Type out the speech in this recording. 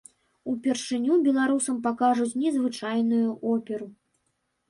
Упершыню беларусам пакажуць незвычайную оперу.